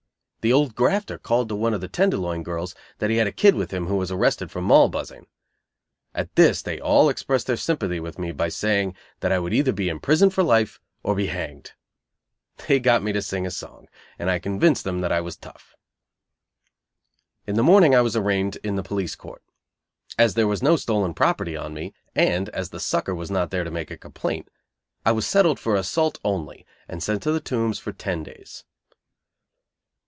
The old grafter called to one of the Tenderloin girls that he had a kid with him who was arrested for Moll buzzing. At this they all expressed their sympathy with me by saying that I would either be imprisoned for life or be hanged. They got me to sing a song, and I convinced them that I was tough. In the morning I was arraigned in the police court. As there was no stolen property on me, and as the sucker was not there to make a complaint, I was "settled" for assault only, and sent to the Tombs for ten days.